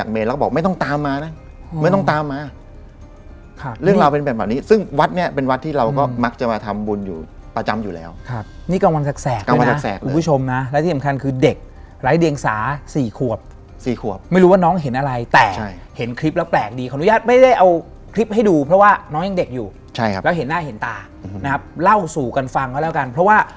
เขาเริ่มรู้สึกว่า